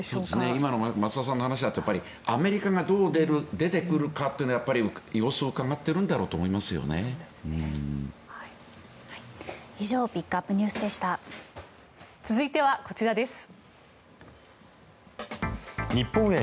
今の増田さんの話だとアメリカがどう出てくるかっていうのは様子をうかがっているんだろうと思いますよね。